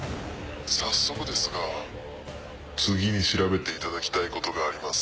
早速ですが次に調べていただきたいことがあります。